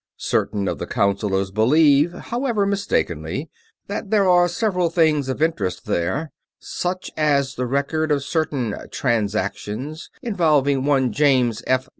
Certain of the Councillors believe, however mistakenly, that there are several things of interest there: such as the record of certain transactions involving one James F.